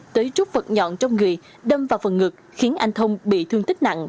tới rút vật nhọn trong người đâm vào phần ngực khiến anh thông bị thương tích nặng